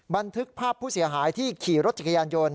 บันทึกภาพผู้เสียหายที่ขี่รถจักรยานยนต์